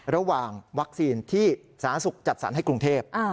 ระหว่างวัคซีนที่สถานศึกษ์จัดสรรค์ให้กรุงเทพฯ